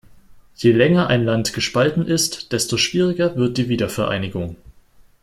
Je länger ein Land gespalten ist, desto schwieriger wird die Wiedervereinigung.